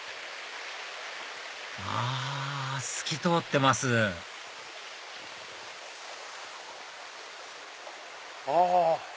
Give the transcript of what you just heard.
あ透き通ってますはは！